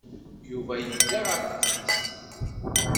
Yuba yedda ɣer teftist.